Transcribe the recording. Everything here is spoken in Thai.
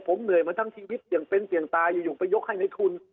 ผมเหนื่อยมาทั้งชีวิตอย่างเป็นเสี่ยงตายอยู่ไปยกให้ในทุน